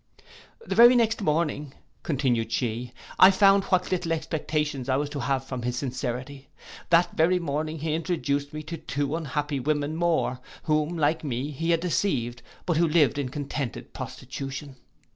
'The very next morning,' continued she, 'I found what little expectations I was to have from his sincerity. That very morning he introduced me to two unhappy women more, whom, like me, he had deceived, but who lived in contented prostitution.